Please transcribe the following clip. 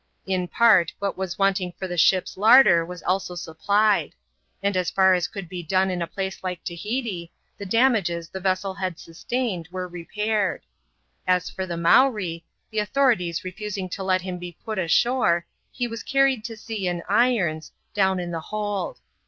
In part, what was wanting for the ship's larder was also supplied ; and as far as could be done, in a place like Tahiti, the damages the vessel had sustained wen repaired. As for the Mowree, the authorities refusing to let him be put ashore, he was carried to sea in irons, down in the hold.